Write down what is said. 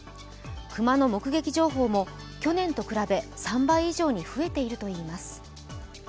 熊の目撃情報も去年と比べ３倍以上に増えているといいます。